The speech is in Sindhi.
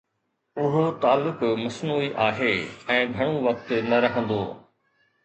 اهو تعلق مصنوعي آهي ۽ گهڻو وقت نه رهندو.